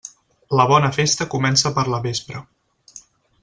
La bona festa comença per la vespra.